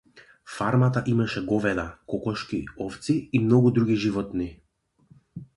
Фармата имаше говеда, кокошки, овци и многу други животни.